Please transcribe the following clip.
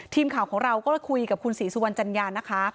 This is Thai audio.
ทีมข่าวของเราก็เลยคุยกับคุณศรีสุวรรณจัญญานะคะ